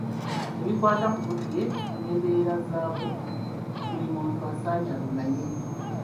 Ebikwata ku budde n'embeera zaabwo buli muntu asaanye abimaye.